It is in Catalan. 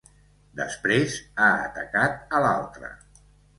Després ha atacat a l’altra.